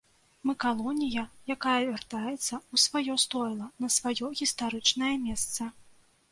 Мы калонія, якая вяртаецца ў сваё стойла, на сваё гістарычнае месца.